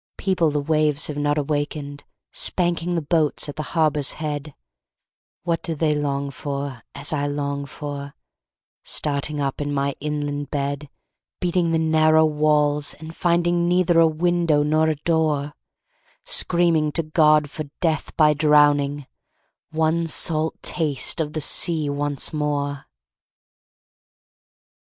People the waves have not awakened, Spanking the boats at the harbor's head, What do they long for, as I long for, Starting up in my inland bed, Beating the narrow walls, and finding Neither a window nor a door, Screaming to God for death by drowning, One salt taste of the sea once more?